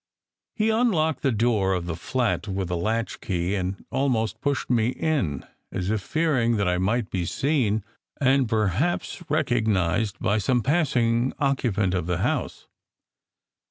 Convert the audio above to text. He unlocked the door of the flat with a latch key and al most pushed me in, as if fearing that I might be seen and perhaps recognized by some passing occupant of the house.